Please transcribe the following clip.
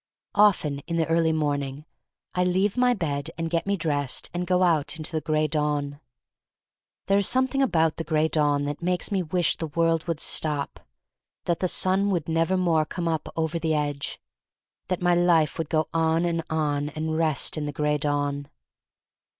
OFTEN in the early morning I leave my bed and get me dressed and go out into the Gray Dawn. There is something about the Gray Dawn that makes me wish the world would stop, that the sun would never more come up over the edge, that my life would go on and on and rest in the Gray Dawn.